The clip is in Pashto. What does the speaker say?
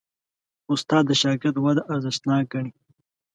استاد د شاګرد وده ارزښتناک ګڼي.